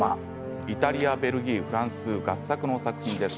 イタリア、ベルギー、フランス合作の作品です。